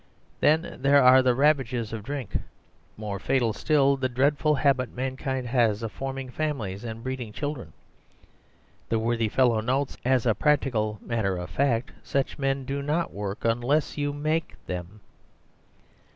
Then there are "the ravages of drink" : more fatal still the dread ful habitmankindhasofformingfamiliesandbreeding children. The worthy fellow notes that "as a practical matter of fact such men do not work unless you make them."